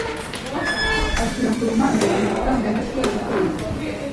Ashira ku ruhande amafaranga make buri kwezi.